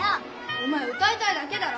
お前歌いたいだけだろ！